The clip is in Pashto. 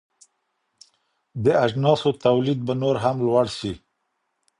د اجناسو تولید به نور هم لوړ سي.